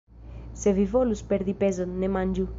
Se vi volus perdi pezon, ne manĝu!